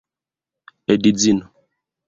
edzino